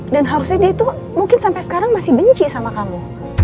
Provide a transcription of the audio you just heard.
dan harusnya dia tuh mungkin sampe sekarang masih benci sama kamu